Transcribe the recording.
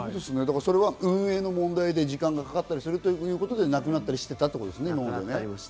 運営の問題で時間がかかったりするということでなくなったりしていたということですね。